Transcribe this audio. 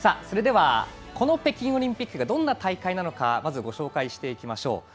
それではこの北京オリンピックがどんな大会なのかまずご紹介していきましょう。